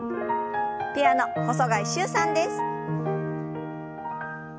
ピアノ細貝柊さんです。